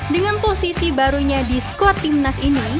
dengan posisi barunya di squad timnas ini